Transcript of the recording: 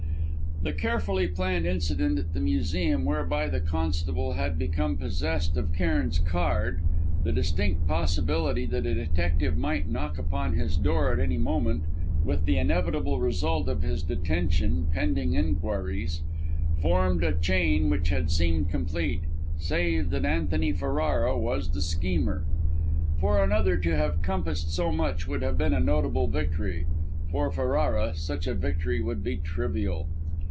The carefully planned incident at the Museum whereby the constable had become possessed of Cairn's card; the distinct possibility that a detective might knock upon his door at any moment with the inevitable result of his detention pending inquiries formed a chain which had seemed complete, save that Antony Ferrara, was the schemer. For another to have compassed so much, would have been a notable victory; for Ferrara, such a victory would be trivial.